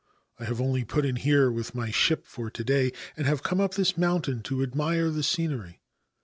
I have only put in here with my ship for to day, and have come up this mountain to admire the scenery.